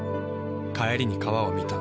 帰りに川を見た。